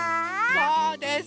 そうです！